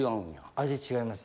味違います